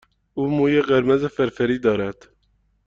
او موی قرمز فرفری دارد.